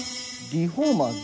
リフォーマーズ！